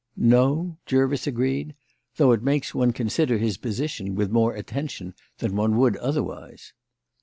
"No," Jervis agreed, "though it makes one consider his position with more attention than one would otherwise."